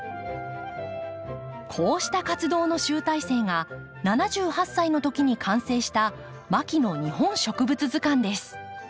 こうした活動の集大成が７８歳のときに完成した「牧野日本植物図鑑」です。